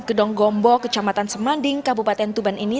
gedung gombo kecamatan semanding kabupaten tuban ini